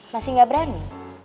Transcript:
masih gak berani